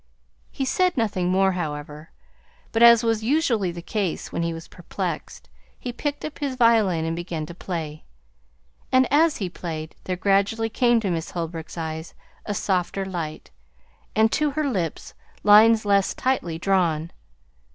He said nothing more, however; but, as was usually the case when he was perplexed, he picked up his violin and began to play. And as he played, there gradually came to Miss Holbrook's eyes a softer light, and to her lips lines less tightly drawn.